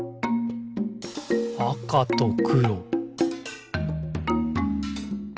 「あかとくろ」